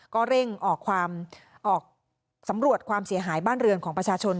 ก็เร่งออกสำรวจความเสียหายบ้านเรือนของประชาชน